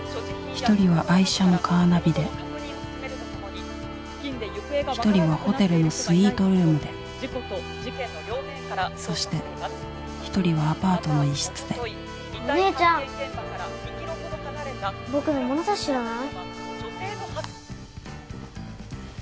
１人は愛車のカーナビで１人はホテルのスイートルームでそして１人はアパートの一室でお姉ちゃん僕の物差し知らない？